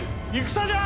戦じゃ！